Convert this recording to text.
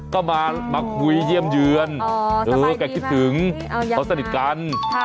ก็มาคุยเยี่ยมเยือนแกคิดถึงเขาสนิทกัน